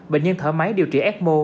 bệnh nhân thở máy điều trị ecmo